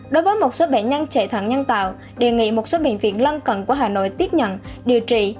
đối với một số bệnh nhân chạy thận nhân tạo đề nghị một số bệnh viện lân cận của hà nội tiếp nhận điều trị